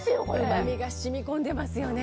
うまみが染み込んでますよね。